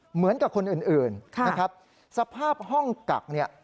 เหมือนกับคนอื่นนะครับสภาพห้องกักเนี่ย